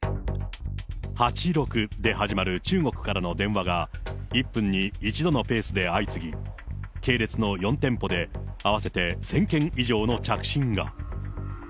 ８６で始まる中国からの電話が、１分に１度のペースで相次ぎ、系列の４店舗で合わせて１０００件以上の着信が。